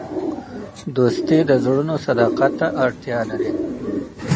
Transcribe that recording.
دوستي د زړونو صداقت ته اړتیا لري.